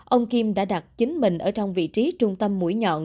ông kim đã đặt chính mình ở trong vị trí trung tâm mũi nhọn